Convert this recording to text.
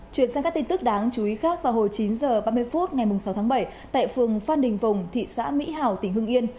chuyển sang các tin tức đáng chú ý khác vào hồi chín h ba mươi phút ngày sáu tháng bảy tại phường phan đình phùng thị xã mỹ hào tỉnh hưng yên